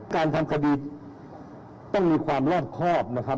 การทำคดีต้องมีความรอบครอบนะครับ